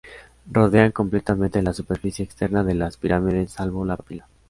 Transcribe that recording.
Rodean completamente la superficie externa de las pirámides, salvo la papila.